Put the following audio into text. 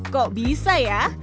kok bisa ya